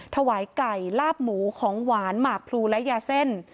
ถวายไก่ลาบหมูของหวานหมากพลูและยาเส้น